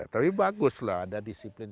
tapi baguslah ada disiplin